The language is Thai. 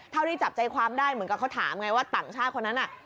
ที่จับใจความได้เหมือนกับเขาถามไงว่าต่างชาติคนนั้นน่ะ